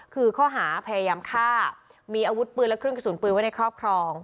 คือข้อหาพยายามฆ่ามีอาวุธปืนและเครื่องกระสุนปืนไว้ในครอบครอง